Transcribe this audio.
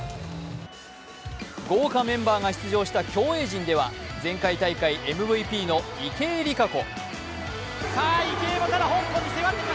豪華メンバーが出場した競泳陣では前回大会ＭＶＰの池江璃花子。